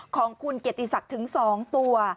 ของคุณเกียรติศักดิ์ถึง๒ตัว